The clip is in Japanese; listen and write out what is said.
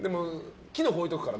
キノコ置いておくから。